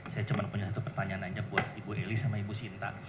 saya cuma punya satu pertanyaan aja buat ibu eli sama ibu sinta